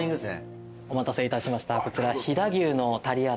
お待たせいたしましたこちら。